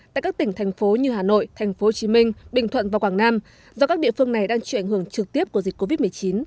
tại các tỉnh thành phố như hà nội tp hcm bình thuận và quảng nam do các địa phương này đang chịu ảnh hưởng trực tiếp của dịch covid một mươi chín